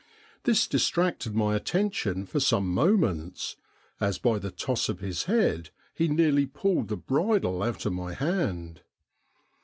This distracted my attention for some moments, as by the toss of his head he nearly pulled the bridle out of my hand.